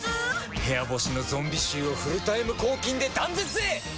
部屋干しのゾンビ臭をフルタイム抗菌で断絶へ！